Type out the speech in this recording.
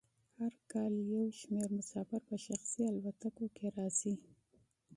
هر کال یو شمیر مسافر په شخصي الوتکو کې راځي